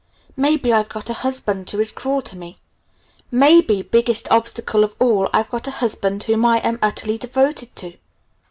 Maybe I've got a husband who is cruel to me. Maybe, biggest obstacle of all, I've got a husband whom I am utterly devoted to.